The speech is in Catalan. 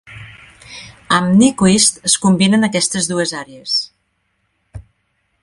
Amb Nyquist es combinen aquestes dues àrees.